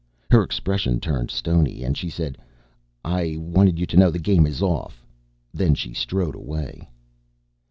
Her expression turned stony and she said, "I wanted you to know the game is off." Then she strode away.